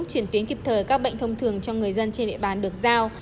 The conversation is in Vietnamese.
chuyển tuyến kịp thời các bệnh thông thường cho người dân trên địa bàn được giao